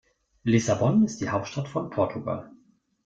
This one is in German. Lissabon ist die Hauptstadt von Portugal.